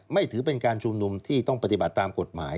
ถือเป็นการชุมนุมที่ต้องปฏิบัติตามกฎหมาย